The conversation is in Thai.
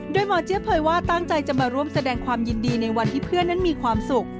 โดยหมอเจี๊ยเผยว่าตั้งใจจะมาร่วมแสดงความยินดีในวันที่เพื่อนนั้นมีความสุข